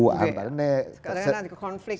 sekarang nanti konflik